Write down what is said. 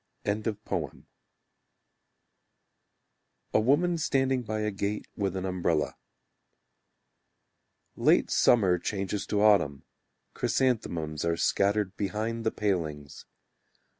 A Woman Standing by a Gate with an Umbrella Late summer changes to autumn: Chrysanthemums are scattered Behind the palings.